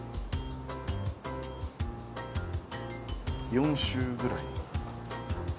４周ぐらい。